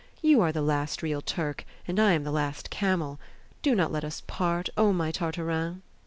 You are the last real Turk, and I am the last camel. Do not let us part, O my Tartarin!"